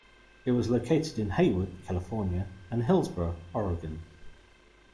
It was located in Hayward, California, and Hillsboro, Oregon.